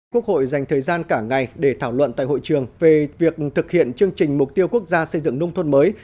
quốc hội dành thời gian cả ngày để thảo luận tại hội trường về việc thực hiện chương trình mục tiêu quốc gia xây dựng nông thôn mới